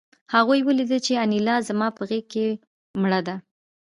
هغوی ولیدل چې انیلا زما په غېږ کې مړه ده